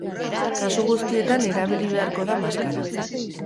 Kasu guztietan erabili beharko da maskara.